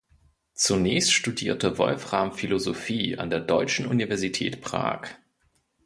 Zunächst studierte Wolfram Philosophie an der Deutschen Universität Prag.